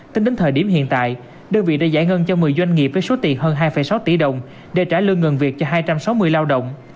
tính đến thời điểm hiện tại đơn vị đã giải ngân cho một mươi doanh nghiệp với số tiền hơn hai sáu tỷ đồng để trả lương ngừng việc cho hai trăm sáu mươi lao động